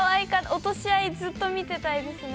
◆落とし合い、ずっと見てたいですね。